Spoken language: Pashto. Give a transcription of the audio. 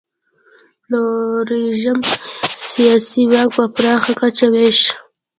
پلورالېزم سیاسي واک په پراخه کچه وېشي.